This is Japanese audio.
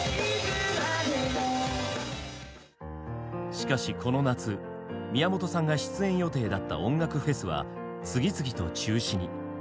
しかしこの夏宮本さんが出演予定だった音楽フェスは次々と中止に。